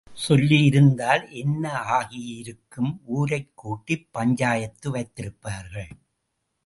சொல்லி இருந்தால் என்ன ஆகி இருக்கும் ஊரைக் கூட்டிப் பஞ்சாயத்து வைத்திருப்பார்கள்.